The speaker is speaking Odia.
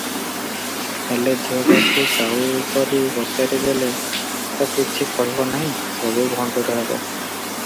ହେଲେ, ଝିଅଟାକୁ ଟାଉକରି ପଚାରି ଦେଲେ ତ କିଛି କହିବ ନାହିଁ, ସବୁ ଭଣ୍ଡୁର ହେବ ।